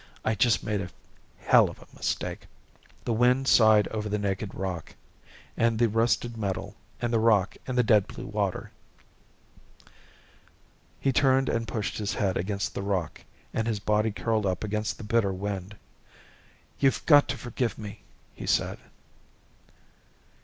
I just made a helluva mistake " The wind sighed over the naked rock and the rusted metal and the rock and the dead blue water. He turned and pushed his head against the rock, and his body curled up against the bitter wind. "You've got to forgive me," he said.